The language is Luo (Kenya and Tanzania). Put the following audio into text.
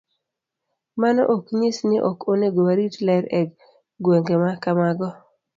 Mano ok nyis ni ok onego warit ler e gwenge ma kamago.